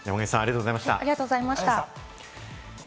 山神さん、ありがとうございました。